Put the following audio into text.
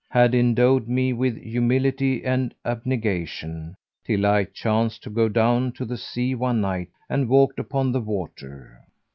had endowed me with humility and abnegation, till I chanced to go down to the sea one night and walked upon the water.